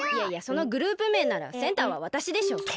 いやいやそのグループめいならセンターはわたしでしょ。